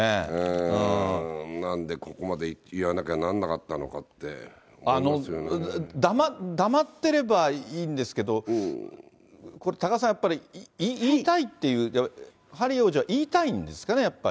なんでここまで言わなきゃい黙ってればいいんですけど、これ多賀さん、やっぱり言いたいっていう、ハリー王子は言いたいんですかね、やっぱり。